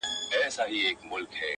چي مي نظم ته هر توری ژوبل راسي!.